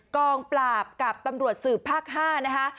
กองปราบกับตำรวจสืบภาค๕นะคะ